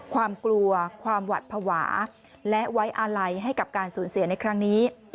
ความกลัวความหวัดภาวะและไว้อาลัยให้กับการสูญเสียในครั้งนี้